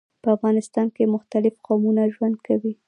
په افغانستان کي مختلیف قومونه ژوند کوي.